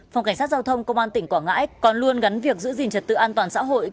phòng cảnh sát giao thông công an tỉnh quảng ngãi còn luôn gắn việc giữ gìn trật tự an toàn xã hội